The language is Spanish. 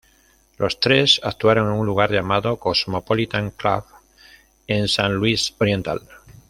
Los tres actuaron en un lugar llamado "Cosmopolitan Club" en San Luis Oriental.